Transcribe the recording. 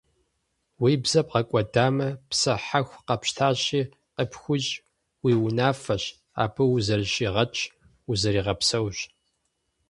Уи бзэр бгъэкӀуэдамэ, псэ хьэху къэпщтащи, къыпхуищӀ уи унафэщ, абы узэрыщигъэтщ, узэригъэпсэущ.